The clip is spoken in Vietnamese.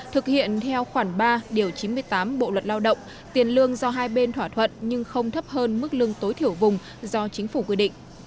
thực hiện theo khoảng ba điều chín mươi tám bộ luật lao động tiền lương do hai bên thỏa thuận nhưng không thấp hơn mức lương tối thiểu vùng do chính phủ quy định